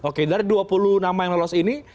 oke dari dua puluh nama yang lolos ini